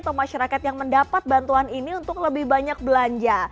atau masyarakat yang mendapat bantuan ini untuk lebih banyak belanja